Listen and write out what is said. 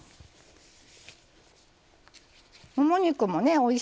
もも肉もねおいしい食材。